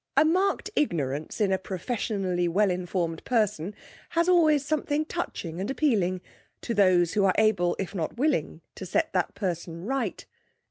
A marked ignorance in a professionally well informed person has always something touching and appealing to those who are able, if not willing, to set that person right.